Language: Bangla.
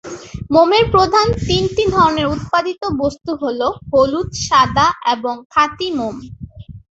মোমের প্রধান তিনটি ধরনের উৎপাদিত বস্তু হল হলুদ, সাদা এবং খাঁটি মোম।